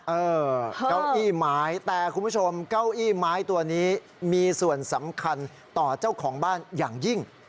เก้าอี้ไม้แต่คุณผู้ชมเก้าอี้ไม้ตัวนี้มีส่วนสำคัญต่อเจ้าของบ้านอย่างยิ่ง